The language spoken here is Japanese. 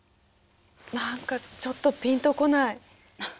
何かちょっとピンとこない。